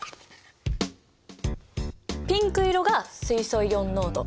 ピンク色が水素イオン濃度。